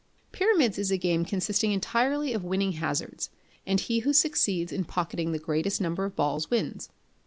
Pyramids is a game consisting entirely of winning hazards, and he who succeeds in pocketing the greatest number of balls, wins.